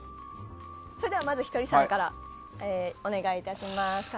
それでは、まずひとりさんからお願い致します。